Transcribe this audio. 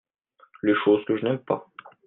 Les choses que je n'aime pas.